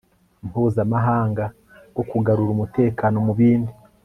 mpuzamahanga bwo kugarura umutekano mu bindi